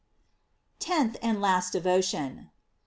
TENTH AND LAST DEVOTION.